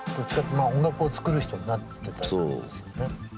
音楽を作る人になってたんですよね。